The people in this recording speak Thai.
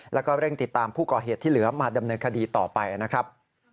แล้วก็เร่งติดตามผู้ก่อเหตุที่เหลือมาดำเนินคดีต่อไปนะครับ